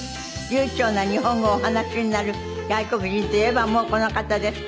流暢な日本語をお話しになる外国人といえばもうこの方です。